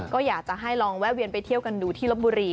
ก็อยากจะให้ลองแวะเวียนไปเที่ยวกันดูที่ลบบุรี